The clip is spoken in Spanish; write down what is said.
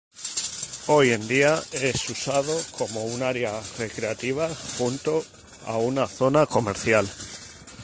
Hoy en día, es usado como un área recreativa junto a una zona comercial.